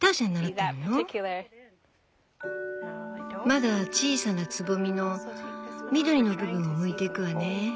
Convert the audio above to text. まだ小さなつぼみの緑の部分をむいていくわね。